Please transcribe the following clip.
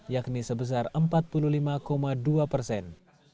yakni sebesar empat puluh lima dua persen